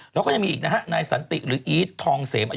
เราก็ยังมีอีกนะฮะนายสันติหรืออีดทองเสม